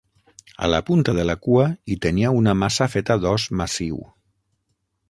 A la punta de la cua, hi tenia una maça feta d'os massiu.